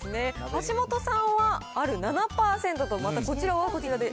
橋本さんはある７％と、またこちらはこちらで。